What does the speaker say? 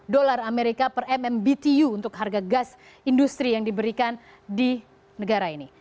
sembilan lima dolar amerika per mm btu untuk harga gas industri yang diberikan di negara ini